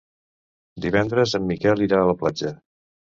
Divendres en Miquel irà a la platja.